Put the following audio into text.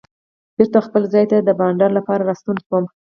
بېرته خپل ځای ته د بانډار لپاره راستون شوم.